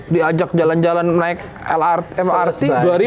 diajak jalan jalan naik mrt